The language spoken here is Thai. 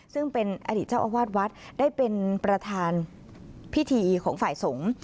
ซึ่งเป็นอดีตเจ้าอาวาสวัดได้เป็นประธานพิธีของฝ่ายสงฆ์